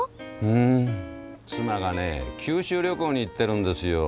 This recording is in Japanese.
妻がね九州旅行に行ってるんですよ。